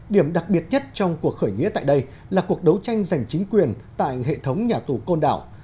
điểm đặc biệt nhất trong cuộc khởi nghĩa tại đây là cuộc đấu tranh giành chính quyền tại hệ thống nhà tù côn đảo